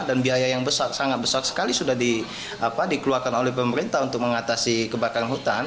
dan biaya yang sangat besar sekali sudah dikeluarkan oleh pemerintah untuk mengatasi kebakaran hutan